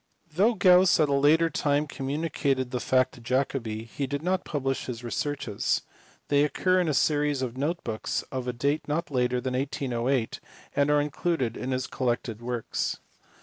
Though Gauss at a later time communicated the fact to Jacobi, he did not publish his researches ; they occur in a series of note books of a date not later than 1808, and are included in his collected works.